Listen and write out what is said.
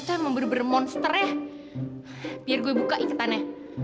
tuh emang bener bener monster ya biar gue buka icetannya